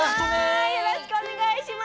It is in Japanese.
はいよろしくおねがいします。